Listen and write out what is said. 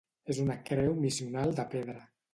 És una creu missional de pedra.